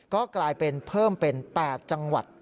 ก็กลายเป็นเพิ่มเป็น๘จังหวัด